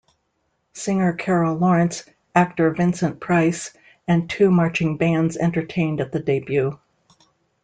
Singer Carol Lawrence, actor Vincent Price, and two marching bands entertained at the debut.